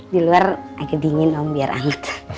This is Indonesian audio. di luar agak dingin om biar hangat